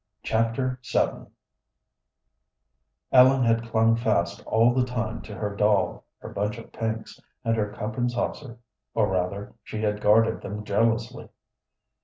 Chapter VII Ellen had clung fast all the time to her doll, her bunch of pinks, and her cup and saucer; or, rather, she had guarded them jealously.